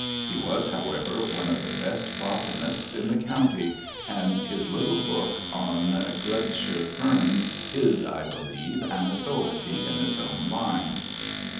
He was, however, one of the best botanists in the County and his little book on "Glebshire Ferns" is, I believe, an authority in its own line.